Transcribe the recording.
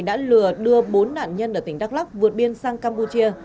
đã lừa đưa bốn nạn nhân ở tỉnh đắk lóc vượt biên sang campuchia